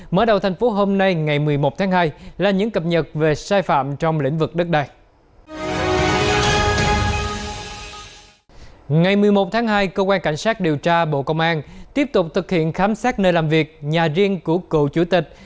mở đầu thành phố hôm nay ngày một mươi một tháng hai là những cập nhật về sai phạm trong lĩnh vực đất đài